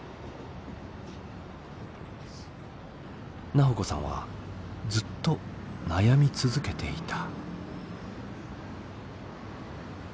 菜穂子さんはずっと悩み続けていた。